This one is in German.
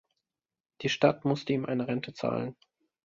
Die Stadt musste ihm eine Rente zahlen.